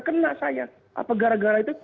kena saya apa gara gara itu